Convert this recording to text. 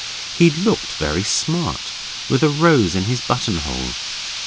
He looked very smart, with a rose in his buttonhole.